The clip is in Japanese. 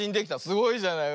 すごいじゃない。